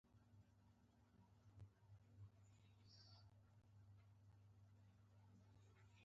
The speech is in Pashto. نیم یې زندانونو ته ځوانۍ لوګۍ کړې.